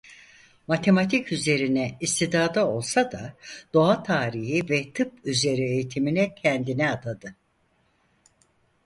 Matematik üzerine istidadı olsa da doğa tarihi ve tıp üzeri eğitimine kendini adadı.